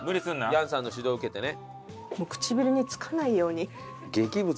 楊さんの指導を受けてね。